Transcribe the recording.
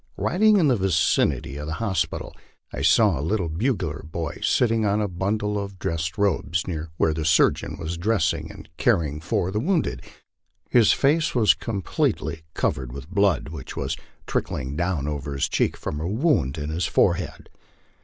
Riding in the vicinity of the hospital, I saw a little bugler boy sitting on a bundle of dressed robes, near where the surgeon was dressing and caring for the wounded. His face was completely covered with blood, which was trick ling down over his cheek from a wound in his forehead.